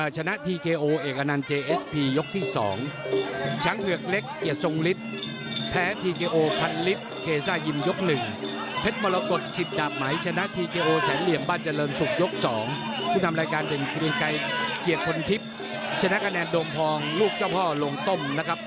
เช้นในกุณแจนแดดโดมทรองลูกเจ้าพ่อลงต้มนะครับ